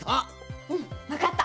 うんわかった！